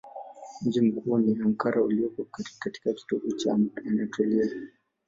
Mji mkuu ni Ankara ulioko katika kitovu cha Anatolia.